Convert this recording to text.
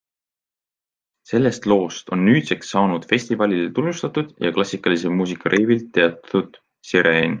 Sellest loost on nüüdseks saanud festivalidel tunnustatud ja klassikalise muusika reivilt teatud Sireen.